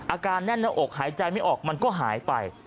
อาการแน่นหน้าอกหายใจไม่ออกมันก็หายไป